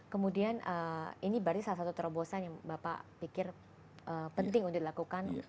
kemudian ini berarti salah satu terobosan yang bapak pikir penting untuk dilakukan